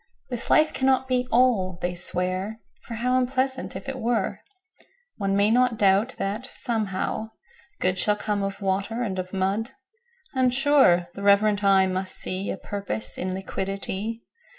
7This life cannot be All, they swear,8For how unpleasant, if it were!9One may not doubt that, somehow, Good10Shall come of Water and of Mud;11And, sure, the reverent eye must see12A Purpose in Liquidity.